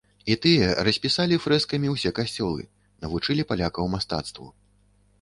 І тыя распісалі фрэскамі ўсе касцёлы, навучылі палякаў мастацтву.